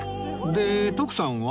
で徳さんは？